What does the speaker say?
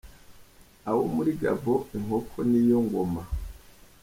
Abo muri Gabon inkoko ni yo ngoma .